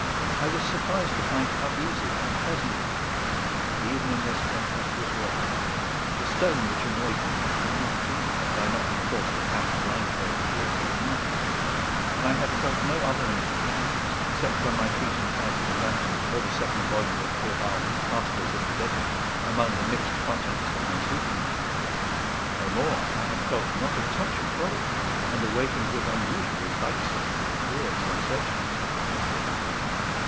I was surprised to find how easy and pleasant it had been, even in this tempestuous weather. The stone which annoyed me would not have been there had I not been forced to camp blindfold in the opaque night; and I had felt no other inconvenience except when my feet encountered the lantern or the second volume of Peyrat's "Pastors of the Desert" among the mixed contents of my sleeping bag; nay, more, I had felt not a touch of cold, and awakened with unusually lightsome and clear sensations.